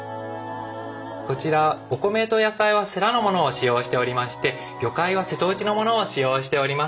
こちらお米と野菜は世羅のものを使用しておりまして魚介は瀬戸内のものを使用しております。